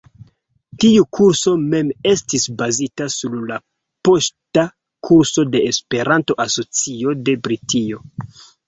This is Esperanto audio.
Tiu kurso mem estis bazita sur la poŝta kurso de Esperanto-Asocio de Britio.